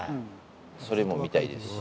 それも見たいですし。